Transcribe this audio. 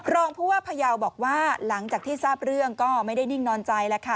รองผู้ว่าพยาวบอกว่าหลังจากที่ทราบเรื่องก็ไม่ได้นิ่งนอนใจแล้วค่ะ